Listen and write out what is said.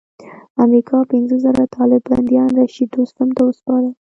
امریکا پنځه زره طالب بندیان رشید دوستم ته وسپارل.